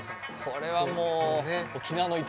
これもう。